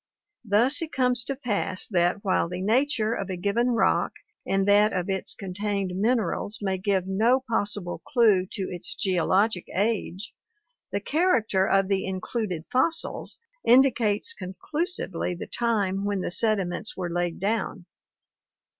Thus it comes to pass that while the nature of a given rock and that of its contained minerals may give no possible clue to its geologic age, the character of the included fossils indicates conclusively the time when the sediments were laid down.